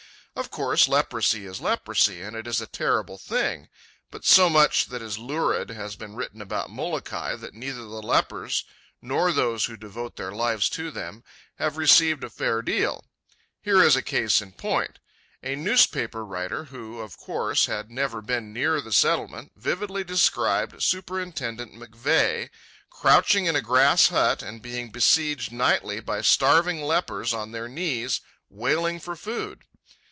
Of course, leprosy is leprosy, and it is a terrible thing; but so much that is lurid has been written about Molokai that neither the lepers, nor those who devote their lives to them, have received a fair deal. Here is a case in point. A newspaper writer, who, of course, had never been near the Settlement, vividly described Superintendent McVeigh, crouching in a grass hut and being besieged nightly by starving lepers on their knees, wailing for food.